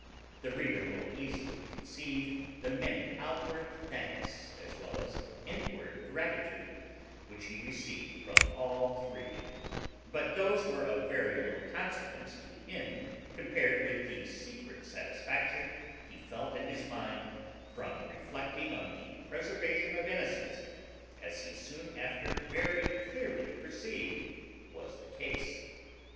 The reader will easily conceive the many outward thanks, as well as inward gratitude, which he received from all three; but those were of very little consequence to him compared with the secret satisfaction he felt in his mind from reflecting on the preservation of innocence, as he soon after very clearly perceived was the case.